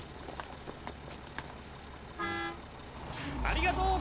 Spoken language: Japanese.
ありがとう！